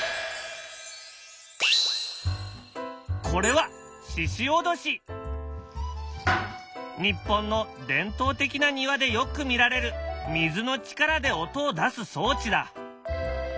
これは日本の伝統的な庭でよく見られる水の力で音を出す装置だ。